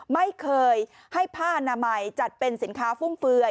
ไม่เคยให้ผ้าอนามัยจัดเป็นสินค้าฟุ่มเฟือย